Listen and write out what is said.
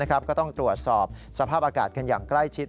ก็ต้องตรวจสอบสภาพอากาศกันอย่างใกล้ชิด